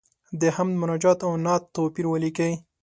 د حمد، مناجات او نعت توپیر ولیکئ.